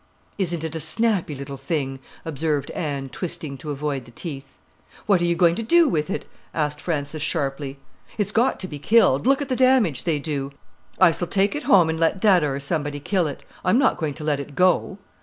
"Isn't it a snappy little thing," observed Anne twisting to avoid the teeth. "What are you going to do with it?" asked Frances sharply. "It's got to be killed—look at the damage they do. I s'll take it home and let dadda or somebody kill it. I'm not going to let it go."